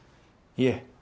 いえ。